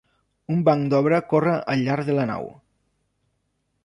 Un banc d'obra corre al llarg de la nau.